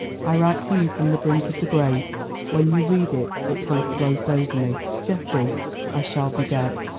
I write to you from the brink of the grave; when you read it, it will have closed over me. "Geoffrey, I shall be dead.